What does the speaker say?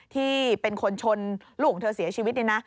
ที่เป็นคนชนลูกของเธอเสียชีวิตเนี่ยนะ